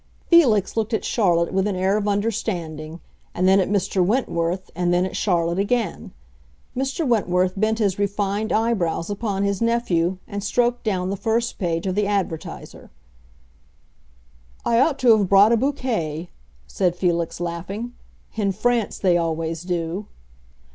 Felix looked at Charlotte with an air of understanding, and then at Mr. Wentworth, and then at Charlotte again. Mr. Wentworth bent his refined eyebrows upon his nephew and stroked down the first page of the Advertiser. "I ought to have brought a bouquet," said Felix, laughing. "In France they always do."